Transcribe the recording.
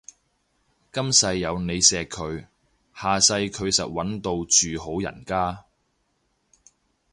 今世有你錫佢，下世佢實搵到住好人家